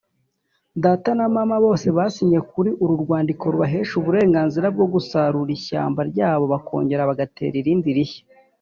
Data na Mama bose basinye kuri uru rwandiko rubahesha uburenganzira bwo gusarura ishyamba ryabo bakongera bagatera irindi rishya.